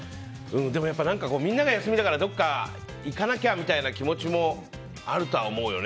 でも、みんなが休みだからどこかに行かなきゃみたいな気持ちもあるとは思うよね。